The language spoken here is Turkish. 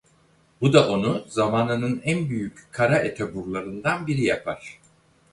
Bu da onu zamanının en büyük kara etoburlarından biri yapar.